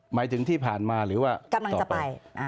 หมายถึงที่ผ่านมาหรือว่ากำลังจะไป